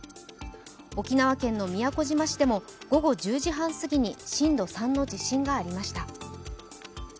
沖縄県の宮古島市でも午後１０時半過ぎに震度３の地震がありました。